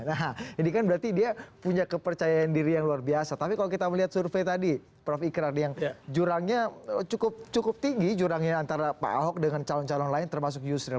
nah ini kan berarti dia punya kepercayaan diri yang luar biasa tapi kalau kita melihat survei tadi prof ikrar yang jurangnya cukup tinggi jurangnya antara pak ahok dengan calon calon lain termasuk yusril